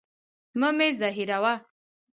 مه مي زهيروه.